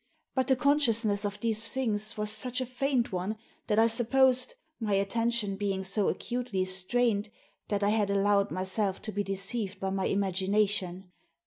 But the consciousness of these things was such a faint one that I supposed, my attention being so acutely strained, that I had allowed myself to be deceived by my imagination.